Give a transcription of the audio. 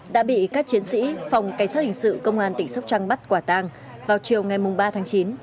đã bị các chiến sĩ phòng cảnh sát hình sự công an tỉnh sóc trăng bắt quả tang vào chiều ngày ba tháng chín